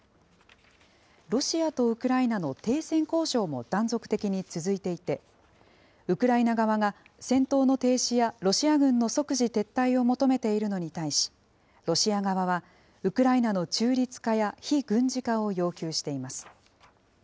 ロシアとウクライナの停戦交渉も断続的に続いていて、ウクライナ側が、戦闘の停止やロシア軍の即時撤退を求めているのに対し、ロシア側は、ウクライナの中立化や非軍事化を要求しています。